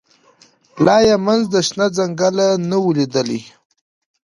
لا یې منځ د شنه ځنګله نه وو لیدلی